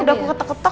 udah aku ketuk ketuk